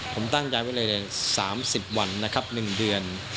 ผมตั้งใจไว้ในสามสิบวันนะครับหนึ่งเดือน